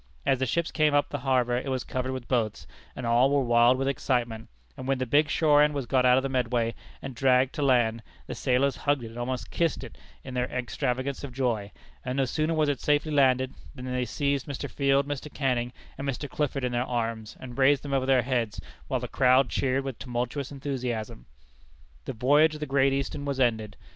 As the ships came up the harbor it was covered with boats, and all were wild with excitement; and when the big shore end was got out of the Medway, and dragged to land, the sailors hugged it and almost kissed it in their extravagance of joy; and no sooner was it safely landed than they seized Mr. Field, Mr. Canning, and Mr. Clifford in their arms, and raised them over their heads, while the crowd cheered with tumultuous enthusiasm. The voyage of the Great Eastern was ended.